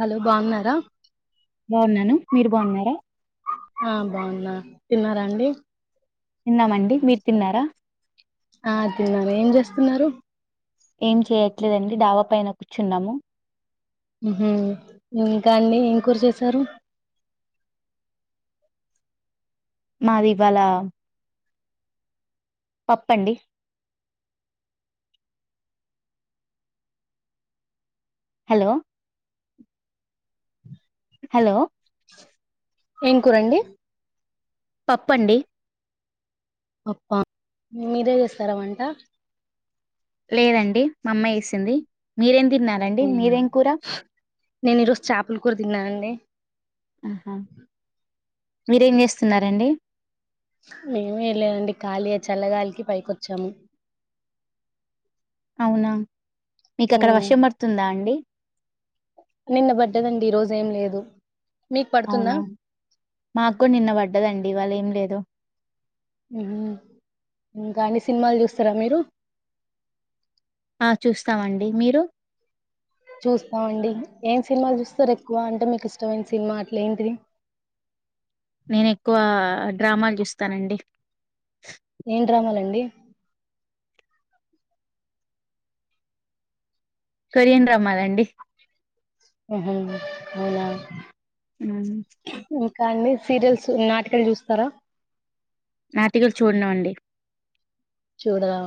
Hello బాగున్నారా బాగున్నాను మీరు బాగున్నారా ఆ బాన్నా. తిన్నారా అండి తిన్నామండి మీరు తిన్నారా స్తున్నారు ఏం చేయట్లేదండి డాబా పైన కూర్చున్నాము హ్మ్ హు ఇంకా అండిఎం కూర చేసారు మాది ఇవాళ పప్పండి హలో హలో ఏం కూరండి పప్పండి అప్పా మీరే చేస్తారా వంట లేదండి మా అమ్మా ఏసింది మీరేం తిన్నారండి అవునా మీరేం కూర నేను ఈరోజు చేపల కూర తిన్నానండి ఆహా మీరేం చేస్తున్నారండి మేమ లేదండి ఖాళీ చల్లగాలికి పైకొచ్చాము అవునా మీక అక్కడ వర్షం పడుతుందా అండి నిన్న పడ్డదండి ఈ రోజ ఏం లేదు మీకు పడుతుందా అవునా మాకు నిన్న వడ్డదండి ఈ వాళ్ళ ఏం లేదో కాని సినిమాలు చూస్తార మీరు ఆ చూస్తామండి మీరు చూస్తామండి ఏం సినిమాలు చూస్తారు ఎక్కువ అంటే మీకు ఇష్టమైన సినిమా అట్లే ఏంటిది నేను ఎక్కువ డ్రామాలు చూస్తానండి డి కొరియన్ డ్రామాలాండి ఉహు అవునా ఊ హు కానీ సీరియల్స్ నాటకాలు చూస్తారా నాటిగలు చూడను అండి చూడదా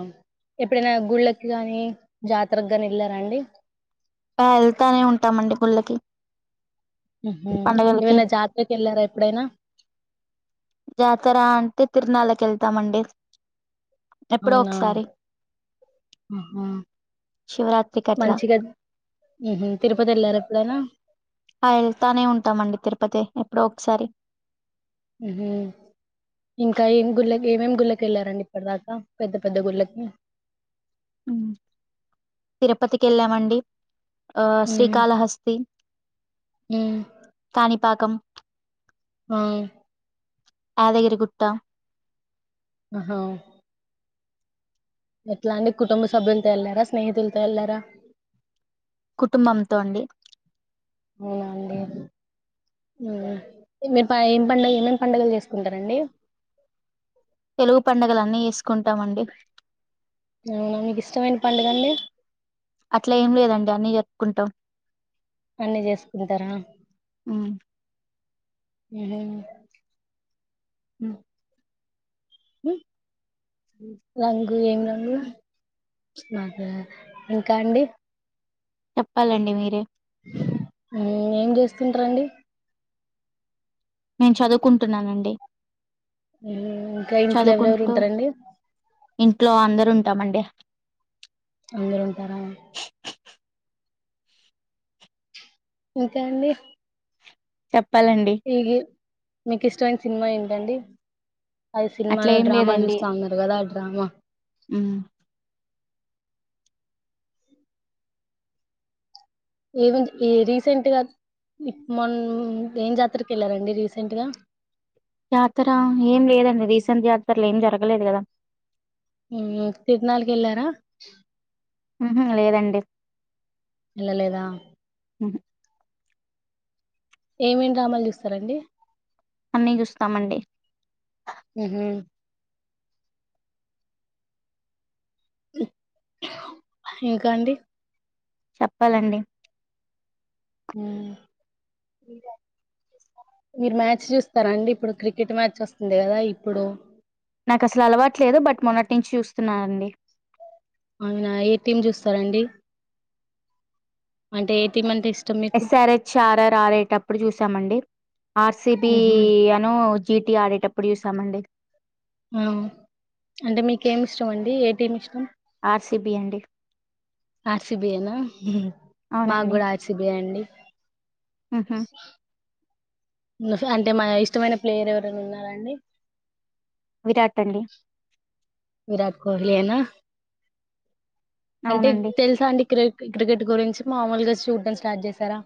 ఎప్పుడైనా గుళ్ళకి గాని జాతరకు ని వెళ్లారా అండి ఆ వెళ్తానే ఉంటామండి గుళ్ళకి పండగలకి ఇవన్న జాత్రకి ఎళ్లారా ఎప్పుడేనా జాతర అంటే తిరునళ్కి వెళ్తామండి ఎప్పుడో అవునా ఒకసారి ఆహా శివరాత్రికి అట్లా మంచిగా ఉహు తిరుపతి వెళ్లారా ఎప్పుడైనా ఆ వెళ్తానే ఉంటామండి తిరుపతి ఎప్పుడో ఒకసారి ఇంకా ఏం గుళ్ళకి ఏమేమి గుళ్ళకి వెళ్ళారండి ఇప్పటి దాకా పెద్ద పెద్ద గుళ్ళకి తిరుపతికి ఎళ్ళామండి ఉమ్ శ్రీకాల హస్తి ఉమ్ కాన్ పాాకం ఆ యాదగిరి గుట్ట ఆ హా ఎట్లా అని కుటుంబ సభ్యులతో వెళ్లారా స్నేహితులతో వెళ్లారా కుటుంబంతో అండి అవునా అండి మీరు ఏం పండగ ఏమేమి పండుగలు చేసుకుంటారండి తెలుగు పండగలు అన్నీ చేసుకుంటామండి అవునా మీకు ఇష్టమైన పండుగ అండి అట్లా ఏం లేదండి అన్ని చెప్పుకుంటాం అన్ని చేసుకుంటారా ఉమ్, రంగు ఏం రంగు మాకు ఇంకా అండి చెప్పాలండి మీరే ఏం చేస్తుంటారంండి నేను చదువుకుంటున్నానండి. ఇంకా ఇంట్లో ఎవరెవరు చదువుకుంటూ ఉంటారంండి ఇంట్లో అందరు ఉంటామండి అందరూ ఉంటారా ఇంకా అండి చెప్ ప్పాలండి ఈ మీకు ఇష్టమైన సినిమా ఏంటండి అ సినిమా అట్లా డ్రామాలు చూస్తా ఉన్నారు కదా దాము అ ఏమ ఏ రీసెంట్గా మొ ఏం జాతరకి వెళ్ళారంండి రీసెంట్గా జాతర ఏం లేదండి రీసెంట్ యాతరలో ఏం జరగలేదు కదా హ తిరునాల్కి ఎళ్లారా. ఉహ లేదండి ఏళ్లలేదా అ ఏమేమి ్రామాలు చూస్తారంండి అన్నీ చూస్తామండి ఉహు ఇంకా అండి చెప్పాలండి మీరు మ్యాచ్ చూస్తారాండి ఇప్పుడు క్రికెట్ మ్యాచ్ వస్తుంది కదా ఇప్పుడు నాకు అసలు అలవాటులేదు బట్ మొన్నటి నుంచి చూస్త వస్తున్నానండి ఆయన ఏ టీమ్ చూస్తారంండి అంటే ఏ టీమ్ అంటే ఇష్టం మీకు ఎస్ఆర్ హెచ్ ఆర్ఆర్ ఆర్ేటప్పుడు చూసామండి ఆర్సిబి ఉహు అను జిటి ఆడేటప్పుడు ూ సమడి ఆ అంటే మీక ఏమి ఇష్టం అండి ఏ టీం ఇష్టం ఆర్సిబి అండి ఆర్సిబి ఏనా ఉ మాకు కూడా ఆర్సిబియే అండి ఆహ్మ్ అంటే మా ఇష్టమైన ప్లేయర్ ఎవరనా ఉన్నారాండి విరాట్ పలి విరాట్ కోహ్లీ యేనా అంటే అవునండి తెలుసా అండి క్రె క్రికెట్ గురించి మామూలుగా చూడటం స్టార్ట్ చేశారా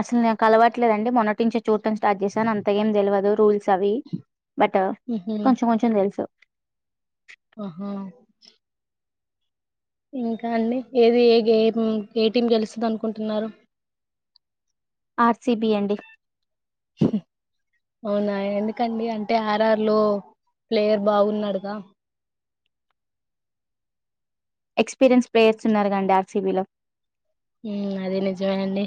అసలు నేను కలవట్లేదం మొటించే చూడటం స్టార్ట్ చేశాను అంత ఏం తెలియదు స [unintelligible] అవి బట్ ఉహు కొంచెం కొంచెం తెలుసు ఆహా ఇంకా అండి ఏది ఏ గేమ్ ఏ టీం గెలుస్తుంది అనుకుంటున్నారు ఆర్సిబి అండి అవునా ఎందుకండి అంటే ఆర్ఆర్ లో ప్లేయర్ బాగున్నాడుగా ఎక్స్పీరియన్స్ ప్లేయర్స్ ఉన్నారు కాండి ఆర్సీబీలో అదే నిజమేనండి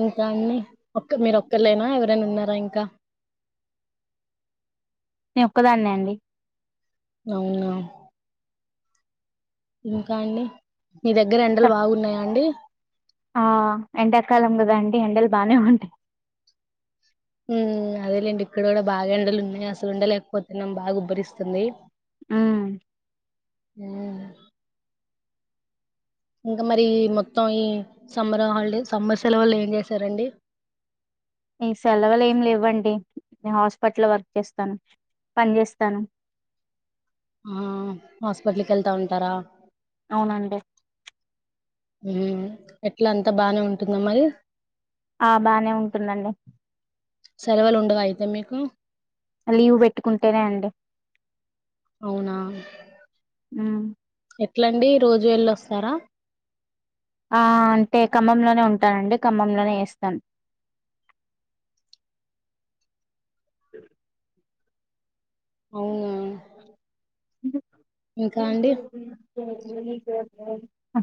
ఇంకా అండి ఒక్క మీరు ఒక్కర్లేనా ఎవరైనా ఉన్నారా ఇంకా నే ఒక్కదాన్నే అండి అవునా ఇంకా అండి మీ దగ్గర ఎండలు బాగున్నాయా అండి ఆ ఎండకాలం కదా అండి ఎండలు బానే ఉంటాయి హు అదేలేండి ఇక్కడ కూడా బాగా ఎండలు ఉన్నాయి అసలు ఉండలేకపోతేన్నాం బాగఉబ్బరిస్తుంది ఉ హూ ఇంకా మరి మొత్తం ఈ సమ్మర్ హాలిడే సమ్మర్ సేలవ్వులో ఏం చేసారండి ఈ సెలవులు ఏమి లేవ్వండి నే హాస్పిటల్ వర్క్ చేస్తాను పని చేేస్తాను ఆ హాస్పిటల్ కి వెళ్తా ఉంటారా అవునా అండి ఎట్లా అంతా బానే ఉంటుందా మరి ఆ బానే ఉంటుందండి తే మీకు లీవ్ పెట్టుకుంటేనే అండి అవునా ఉమ్ ఎట్లండి రోజు వెళ్లొస్తారా ఆ అంటే ఖమ్మంలోనే ఉంటానండి ఖమ్మంలోనే చేస్తాను అవునా ఇంకా ఉఊల్ంట అండి ఇ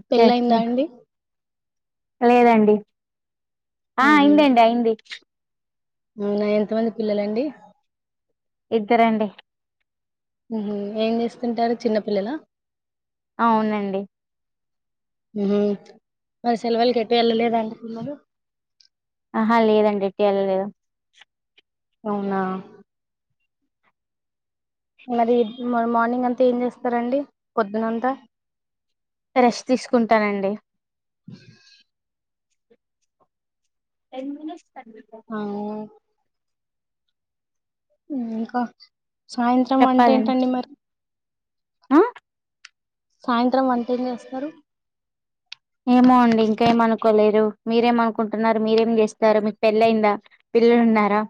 పెళ్ళయిందా అండి లేదండి ఆ ఉహు అయిందండి అయింది అవునా ఎంతమంది పిల్లలండి ఇద్దరండి ఏం చేస్తుంటారు చిన్నపిల్లలా అవునండి ఉ మరి సెలవులకి ఎటు ఎళ్ళలేదా అండి పిల్లలు ఆహా లేదండి ఎటు వెళ్ళలేదు అవునా మరి మార్నింగ్ అంతా ఏం చేస్తారండి పొద్దునంతా రెష్ట్ తీసుకుంటానండి [unintelligible] ఆ ఇ ఇంకా సాయంత్రం వంట చెప్పాలండి ఏంటండి మరి ఆ సాయంత్రం వంట ఏం చేస్తారు ఏమో అండి ఇంకా ఏం అనుకోలేదు మీరేం అనుకుంటున్నారు మీరేం చేస్తున్నారు మీకు పెళ్లి అయిందా పిల్లలు ఉన్నారా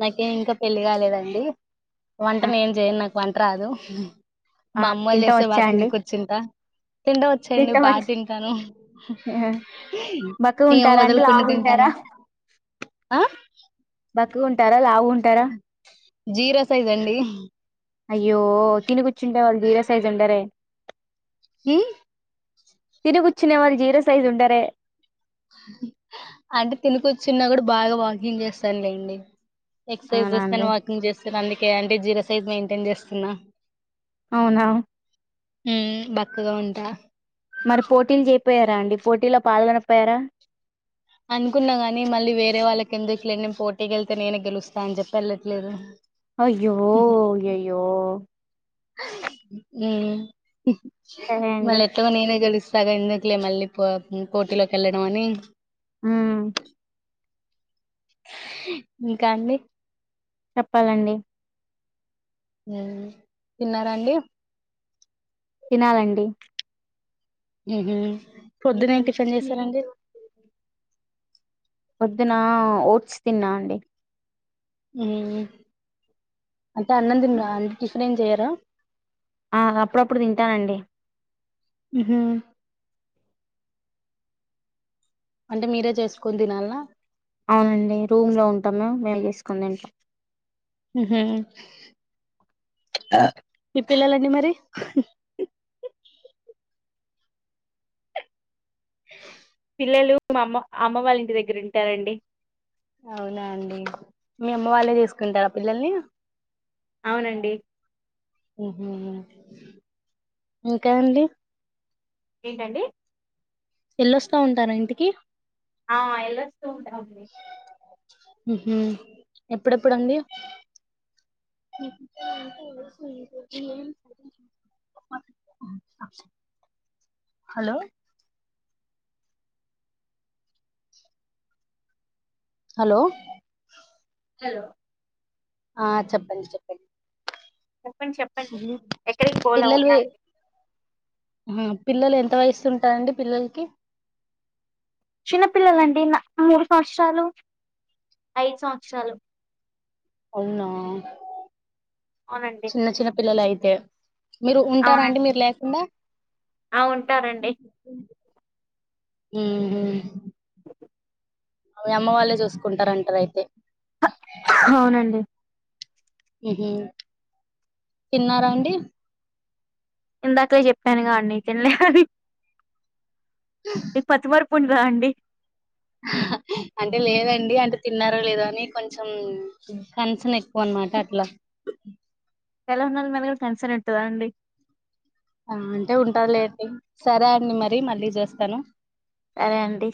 నాకేం ఇంకా పెళ్లిి కాలేదండి వంట ఆ నేన్ జెయ్యను నాకు వంట రాదు. ఆ మా అమ్మోళ్ళు తింటం చేస్తే బా వచ్చా తిని అండి కూర్చుంట తింటం వచ్చండి తింటం బా వచ్చు తింటాను బక్కగా ఏం ఉంటారా అండి వదలకుండా లావు తింటాను ఉంటారా ఆ బక్క గుంటారా లావు గుంట్ టరా జీ రస్ ఏదండి అయ్యో తినిపి చ్చుండే వాళ్ళు జీరో సైజ్ ఉండరే హ్మ్మ్ తిని గుచ్చునే వాల్ జీరో సైజుండరే అంటే తిని కూర్చున్న గుడా బాగా వాకింగ్ చేస్తాన్లేండి. ఎక్సర్సైజ్ అవునా అండి చేస్తేను వాకింగ్ చేస్తాను అన్ని కే అంటే జీరో సైజ్ మెయింటైన్ చేస్తున్నా అవునా మ్మ్ బక్కగా ఉంటా మరి పోటీల్ జెయ్ పోయారా అండి పోటీలో పాల్గొనక పోయారా అన్కున్నా గాని మళ్ళీ వేరే వాళ్ళకెందుకులే నేన్ పోటీకెళ్తే నేనే గెలుస్తా అన్ చెప్పి ఎళ్ళట్లేదు. అయ్యో అయ్యయ్ యో మ్మ్ సరే అండి మల్లెట్లగో నేనే గెలుస్ సరే ఎందుకులే మళ్ళీ పో కోర్టులోకెళ్ళడం అని మ్మ్ ఇంకా అండి చెప్పాలండి తిన్నారా అండి తినాలండి మ్మ్ హు పొద్దునేం టిఫన్ చేశారండి పొద్దున ఓట్స్ తిన్నా అండి మ్మ్ మ్ అంటే అన్నందిన్రా అండి టిఫెనేం జేయర్ ద ఆ అప్పుడప్పుడు తింటానండి మ్మ్ హు అంటే మీరే జేస్కోన్ తినాల్నా అవునండి రూమ్ లో ఉంటాం మేం మేమే జేస్కోన్ తింట్ మ్మ్ హు ఈ పిల్లలండి మరి పిల్లలు మా అమ్మ అమ్మ వాళ్ళ ఇంటి దగ్గర ఉంటారండి అవునా అండి మీ అమ్మ వాళ్ళే చేసుకుంటారా పిల్లల్ని అవునండి ఊ హూ ఇంకా అండి ఏంటండి ఎళ్ళొస్తా ఉంటారా ఇంటికి ఆ ఎలా వస్తూ ఉంటా అండి ఊ హూ ఎప్పుడెప్పుడు అండి హలో హలో హలో ఆ చెప్పండి చెప్పండి చెప్పండి చెప్పండి ఎక్కడికి పిల్లల వి ఆ పిల్లలు ఎంత వయస్తు ఉంటారండి పిల్లలకి చిన్నపిిల్లలండి నా మూడు సంవత్సరాలు ఐదు సంవత్సరాలు అవునా అవునండి చిన్న చిన్న పిల్లలు అయి తే మీరు ఉంటారండి అవునండి మీరు లేకుండా ఆ ఉంటారండి హూ హు అమ్మ వాళ్ళే చూసుకుంటారంటారు అయితే అవునండి ఊ హూ తిన్నారా అండి ఇందాకలే చెప్పాను గా అండి తినలే అని ఈ పత్ వర్ ప్పుడుదా అండి అంటే లేదండి అంటే తిన్నారో లేదో అని కొంచెం కన్సన్ ఎక్కువ అనమాట అట్లా ఎలా ఉన్నా అని అడగాలి గాని [unintelligible] అంటే ఉంటాదిలేండి సరే అండి మరి మళ్ళీ చూస్తాను సరే అండి